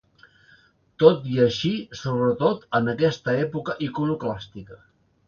Tot i així, sobretot en aquesta època iconoclàstica.